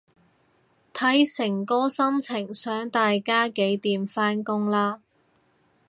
睇誠哥心情想大家幾點返工啦